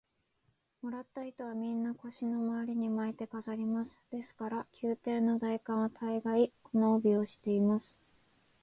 もらった糸は、みんな腰のまわりに巻いて飾ります。ですから、宮廷の大官は大がい、この帯をしています。